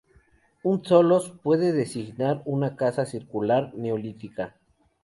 Un tholos puede designar una casa circular neolítica.